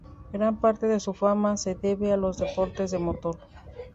Gran parte de su fama se debe a los deportes de motor.